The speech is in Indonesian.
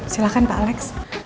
silahkan pak alex